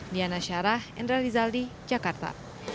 diana syarah endra rizaldi jakarta